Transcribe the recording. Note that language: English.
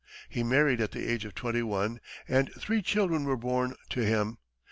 He married, at the age of twenty one, and three children were born to him.